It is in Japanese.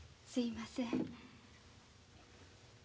すいません。